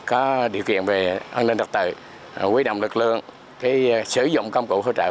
điều kiện tốt hơn là có điều kiện về an ninh đặc tự quy động lực lượng sử dụng công cụ phụ trợ